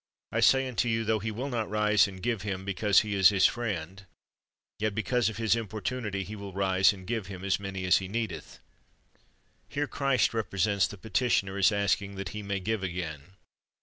I say unto you, Though he will not rise and give him because he is his friend, yet because of his importunity he will rise and give him as many as he needeth." Here Christ represents the petitioner as asking that he may give again.